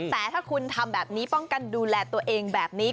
แต่ถ้าคุณทำแบบนี้ป้องกันดูแลตัวเองแบบนี้